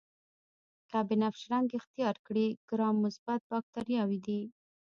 که بنفش رنګ اختیار کړي ګرام مثبت باکتریاوې دي.